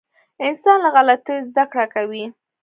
• انسان له غلطیو زده کړه کوي.